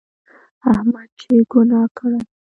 احمد چې ګناه کړي،